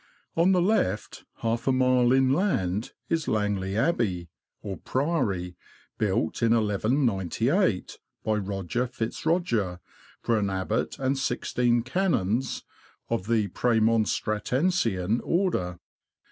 On the left, half a mile inland, is Langley Abbey, or Priory, built, in 1198, by Roger Fitzroger, for an abbot and sixteen canons of the Praemonstratensian order.